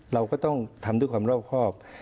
เราก็ต้องทำด้วยความรอบครอบ